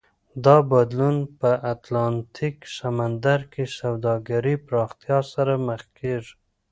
دا بدلون په اتلانتیک سمندر کې سوداګرۍ پراختیا سره مخ کېږي.